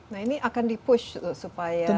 nah ini akan di push supaya ke sana